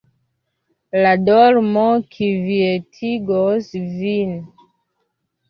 La dormo kvietigos vin.